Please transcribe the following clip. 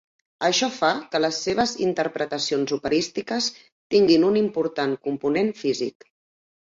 Això fa que les seves interpretacions operístiques tinguin un important component físic.